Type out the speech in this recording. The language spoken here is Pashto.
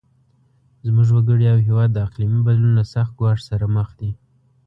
زموږ وګړي او هیواد د اقلیمي بدلون له سخت ګواښ سره مخ دي.